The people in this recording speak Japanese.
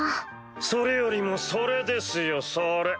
それよりもそれですよそれ！